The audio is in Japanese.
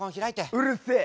うるせえ。